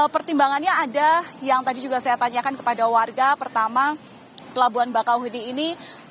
pertimbangannya ada yang tadi juga saya tanyakan kepada warga pertama pelabuhan bakauheni ini